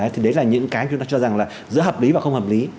thì đấy là những cái chúng ta cho rằng là giữa hợp lý và không hợp lý